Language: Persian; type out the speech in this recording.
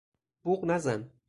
بوق نزن!